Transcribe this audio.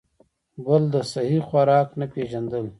بل د سهي خوراک نۀ پېژندل ،